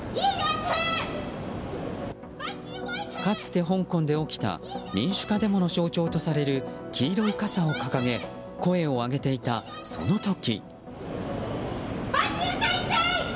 かつて香港で起きた民主化デモの象徴とされる黄色い傘を掲げ声を上げていた、その時。